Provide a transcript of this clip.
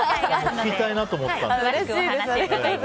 聞きたいなと思ってたので。